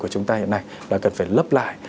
của chúng ta hiện nay là cần phải lấp lại